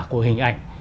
của hình ảnh